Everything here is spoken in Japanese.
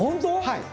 はい。